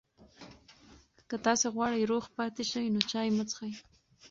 که تاسي غواړئ روغ پاتې شئ، نو چای مه څښئ.